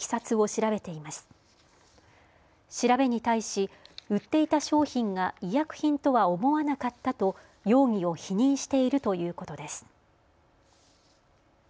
調べに対し売っていた商品が医薬品とは思わなかったと容疑を否認しているということです。